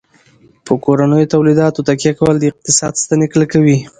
په کورنیو تولیداتو تکیه کول د اقتصاد ستنې کلکوي.